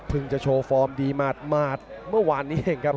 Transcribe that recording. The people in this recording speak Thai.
จะโชว์ฟอร์มดีหมาดเมื่อวานนี้เองครับ